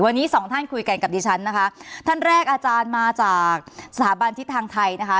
วันนี้สองท่านคุยกันกับดิฉันนะคะท่านแรกอาจารย์มาจากสถาบันทิศทางไทยนะคะ